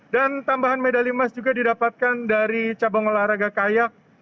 dan tambahan medali emas juga didapatkan dari cabang olahraga kayak